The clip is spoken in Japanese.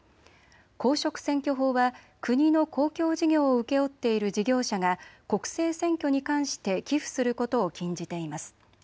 公職選挙法は国の公共事業を請け負っている事業者が国政選挙に関して寄付することを禁じています。